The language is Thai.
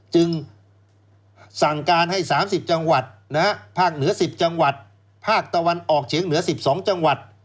จึงสั่งการให้๓๐จังหวัดภาคเหนือ๑๐จังหวัดภาคตะวันออกเฉียงเหนือ๑๒จังหวัด